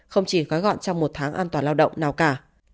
không chỉ gói gọn trong một tháng an toàn lao động nào cả